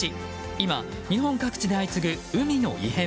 今、日本各地で相次ぐ海の異変。